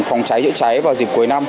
phòng cháy cháy cháy vào dịp cuối năm